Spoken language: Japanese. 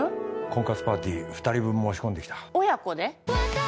婚活パーティー二人分申し込んできた親子で！？